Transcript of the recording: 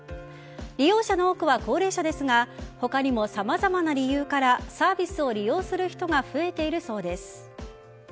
利用者の多くは高齢者ですが他にも様々な理由からサービスを利用する人が増えているそうです。